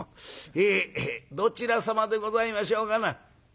へえどちら様でございましょうかな」。